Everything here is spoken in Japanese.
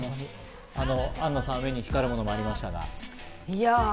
アンナさん、目に光るものがありましたが。